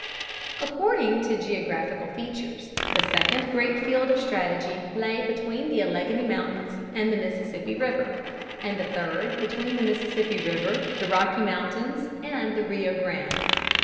According to geographical features, the second great field of strategy lay between the Alleghany Mountains and the Mississippi River, and the third between the Mississippi River, the Rocky Mountains, and the Rio Grande.